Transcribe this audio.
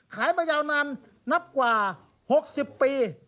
ขายมายาวนานนับกว่า๖๐ปี